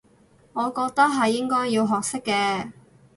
我覺得係應該要學識嘅